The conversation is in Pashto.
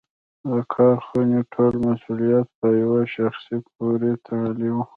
د کارخونې ټول مسوولیت په یوه شخص پورې تړلی و.